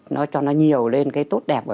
nó cho nó nhiều lên cái tốt đẹp